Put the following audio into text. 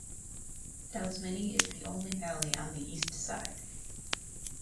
Dalsmynni is the only valley on the east side.